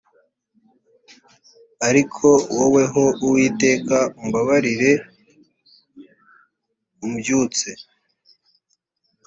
ariko wowe ho uwiteka umbabarire umbyutse